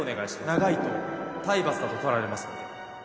長いと体罰だと取られますので。